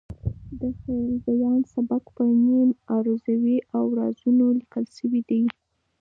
د خیرالبیان سبک په نیم عروضي اوزانو لیکل شوی دی.